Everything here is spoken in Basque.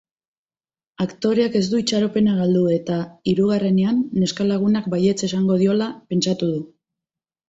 Aktoreak ez du itxaropena galdu eta hirugarrenean neska-lagunak baietz esango diola pentsatu du.